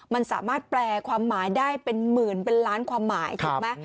มันสามารถแปลความหมายได้เป็นหมื่นเป็นล้านความหมายถูกไหม